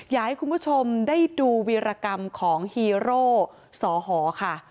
อยากให้คุณผู้ชมได้ดูวีรกรรมของฮีโร่สอหอค่ะ